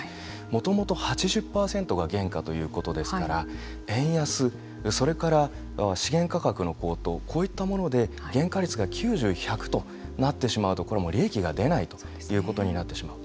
もともと８０％が原価ということですから円安、それから資源価格の高騰こういったもので原価率が９０１００となってしまうとこれは利益が出ないということになってしまう。